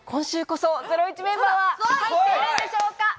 今週こそ『ゼロイチ』メンバーは入っているんでしょうか。